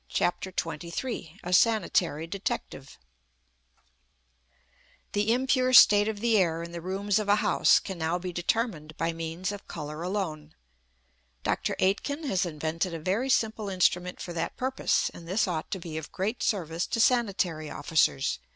CHAPTER XXIII A SANITARY DETECTIVE The impure state of the air in the rooms of a house can now be determined by means of colour alone. Dr. Aitken has invented a very simple instrument for that purpose; and this ought to be of great service to sanitary officers.